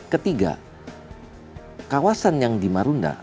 ketiga kawasan yang di marunda